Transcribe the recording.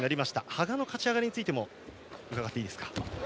羽賀の勝ち上がりについても伺っていいですか。